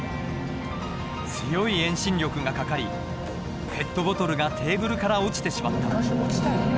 強い遠心力がかかりペットボトルがテーブルから落ちてしまった。